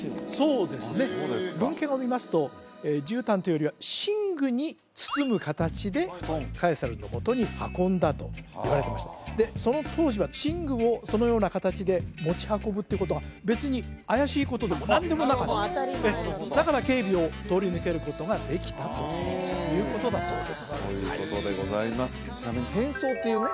そうですね文献を見ますと絨毯というよりは寝具に包む形でカエサルのもとに運んだといわれてましたでその当時は寝具をそのような形で持ち運ぶってことが別に怪しいことでも何でもなかっただから警備を通り抜けることができたということだそうですということでございますちなみに変装っていうね